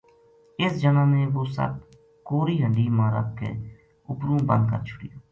اس جنا نے وہ سپ کَوری ہنڈی ما رکھ کے اُپرو بند کر چھُڑیو